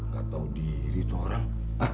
gak tau diri tuh orang